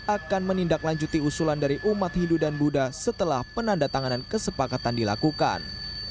akan menindaklanjuti usulan dari umat hindu dan buddha setelah penanda tanganan kesepakatan dilakukan